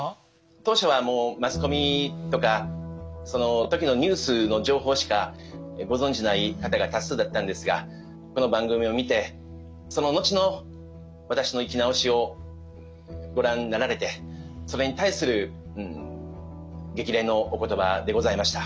当初はもうマスコミとかその時のニュースの情報しかご存じない方が多数だったんですがこの番組を見てそののちの私の生き直しをご覧になられてそれに対する激励のお言葉でございました。